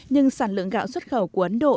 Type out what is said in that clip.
nhưng sản lượng gạo xuất khẩu của ấn độ